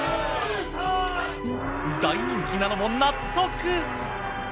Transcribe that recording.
大人気なのも納得。